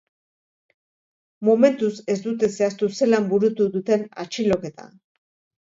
Momentuz ez dute zehaztu zelan burutu duten atxiloketa.